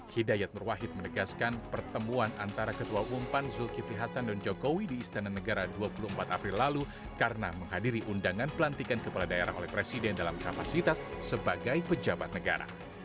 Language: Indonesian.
hidayat nurwahid menegaskan pertemuan antara ketua umum pan zulkifli hasan dan jokowi di istana negara dua puluh empat april lalu karena menghadiri undangan pelantikan kepala daerah oleh presiden dalam kapasitas sebagai pejabat negara